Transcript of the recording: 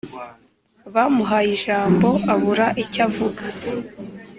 bamuhaye ijambo abura icyo avuga